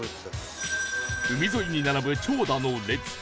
海沿いに並ぶ長蛇の列